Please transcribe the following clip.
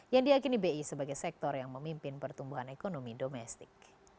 yang diakini bi sebagai sektor yang memimpin pertumbuhan ekonomi domestik